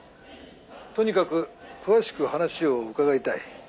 「とにかく詳しく話を伺いたい」